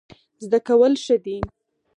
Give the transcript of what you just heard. زده کول ښه دی.